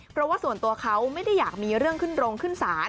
เพราะว่าส่วนตัวเขาไม่ได้อยากมีเรื่องขึ้นโรงขึ้นศาล